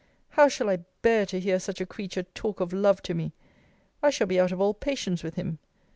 How shall I bear to hear such a creature talk of love to me? I shall be out of all patience with him.